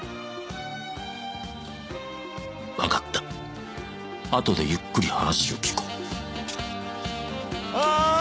・分かったあとでゆっくり話を聞こうおい！